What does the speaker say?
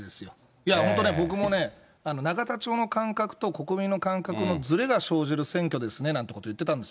いや、本当ね、僕もね、永田町の感覚と国民の感覚のずれが生じる選挙ですねなんてことを言ってたんです。